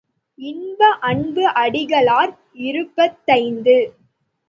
இன்ப அன்பு அடிகளார் இருபத்தைந்து.